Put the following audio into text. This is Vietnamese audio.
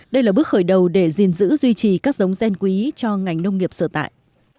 đây là bước khởi đầu để gìn giữ duy trì các giống gen quý cho ngành nông nghiệp sở tại